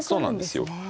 そうなんですよ。